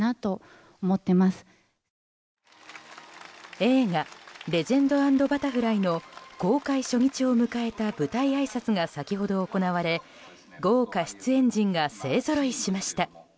映画「レジェンド＆バタフライ」の公開初日を迎えた舞台あいさつが先ほど行われ豪華出演陣が勢ぞろいしました。